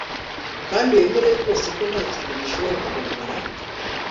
Kandi wemere rwose ko ntakintu gishobora kumara